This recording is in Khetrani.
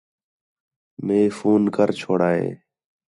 مے فون کر چھوڑا ہے